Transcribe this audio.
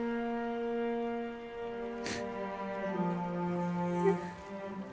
ごめんね。